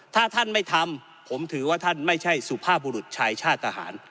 ถ้าท่านไม่ทำผมถือว่าท่านไม่ใช่สุภาพบุรุษชายชาติทหาร